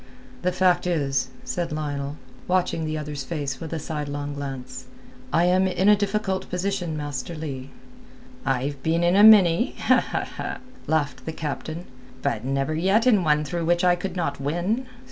"The fact is," said Lionel, watching the other's face with a sidelong glance, "I am in a difficult position, Master Leigh." "I've been in a many," laughed the captain, "but never yet in one through which I could not win.